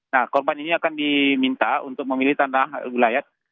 nah korban ini akan diminta untuk memilih tanah wilayah